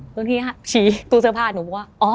นี่ทีมันชี้ตู้เชื้อผ้าหนูบอกว่า